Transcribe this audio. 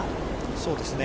そうですね。